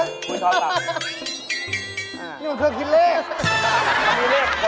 นี่ก็คือกินเลข